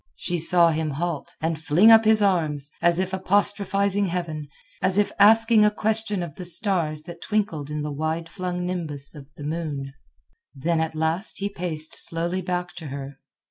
She saw him halt, and fling up his arms, as if apostrophizing Heaven, as if asking a question of the stars that twinkled in the wide flung nimbus of the moon. Then at last he paced slowly back to her.